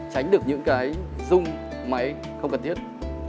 tránh được những cái rung máy không cần thiết